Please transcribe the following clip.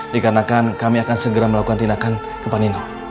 dikarenakan kami akan segera melakukan tindakan ke panino